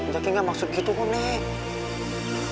jaki gak maksud gitu nenek